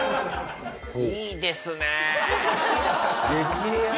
いいですね。